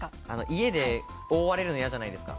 家で覆われるの嫌じゃないですか。